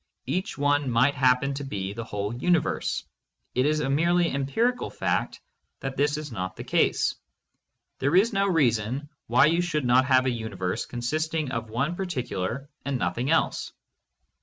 Each one might happen to be the whole universe; it is a merely empirical fact that this is not the case. There is no reason why you should not have a uni verse consisting of one particular and nothing else.